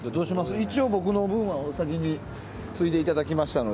一応僕の分は先についでいただきましたので。